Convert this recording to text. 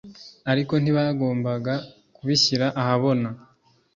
ariko ntibagombaga kubishyira ahabona.